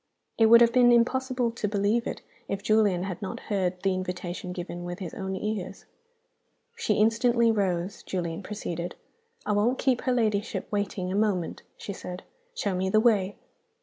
It would have been impossible to believe it, if Julian had not heard the invitation given with his own ears. "She instantly rose," Julian proceeded. "'I won't keep her ladyship waiting a moment,' she said; 'show me the way.